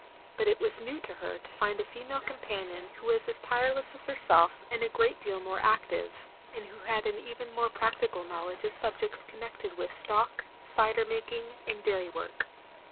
But it was new to her to find a female com panion who was as tireless as herself and a great deal more active, and who had an even more practical knowledge of subjects connected with stock, cider making, and dairy work.